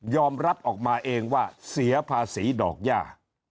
ออกมาเองว่าเสียภาษีดอกย่า